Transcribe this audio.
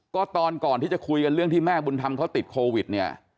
ก็ตอนก่อนที่จะคุยกันเรื่องที่แม่บุญธรรมเขาติดโควิดเนี่ย